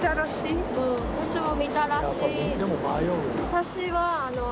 私は。